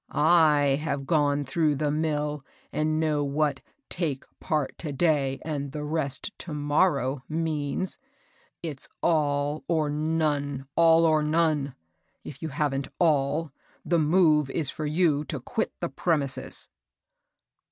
*^ J have gone through the mill, and know what take part to^y and the rest to morrow means. It's all or won« — all or non^. If you haven't aZZ, the move is for you to quit the premises."